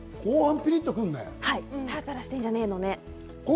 タラタラしてんじゃねよ、のね。